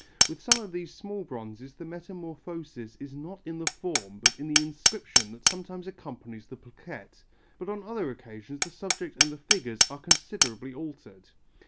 With some of these small bronzes the metamorphosis is not in the form but in the inscription that sometimes accompanies the plaquette, but on other occasions the subject and the figures are considerably altered.